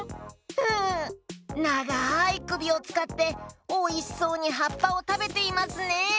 うんながいくびをつかっておいしそうにはっぱをたべていますね。